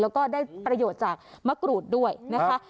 แล้วก็ได้ประโยชน์จากมะกรูดด้วยนะคะ